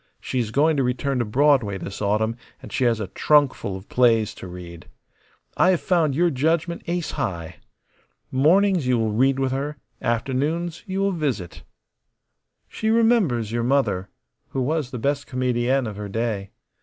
She is going to return to Broadway this autumn, and she has a trunkful of plays to read. I have found your judgment ace high. Mornings you will read with her; afternoons you will visit. She remembers your mother, who was the best comedienne of her day.